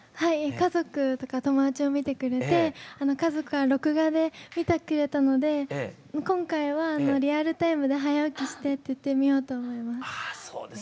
家族は録画で見てくれたので今回はリアルタイムで早起きしてって言って見ようと思います。